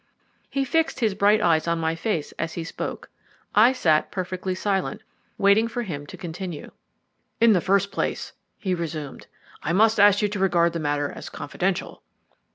He fixed his bright eyes on my face as he spoke. I sat perfectly silent, waiting for him to continue. "In the first place," he resumed, "I must ask you to regard the matter as confidential."